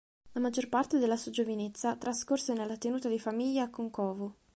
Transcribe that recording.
La maggior parte della sua giovinezza trascorse nella tenuta di famiglia a Kon'kovo.